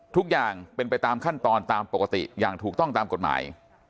ทุกอย่างเป็นไปตามขั้นตอนตามปกติอย่างถูกต้องตามกฎหมาย